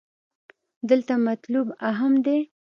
دلته مطلوب اهم دې.